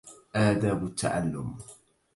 آداب التعلم